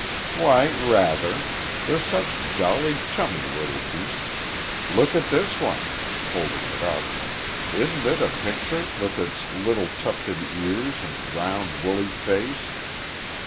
"Why, rather. They're such jolly, chummy little beasts. Look at this one," holding it up. "Isn't it a picture, with its little tufted ears and round, woolly face?"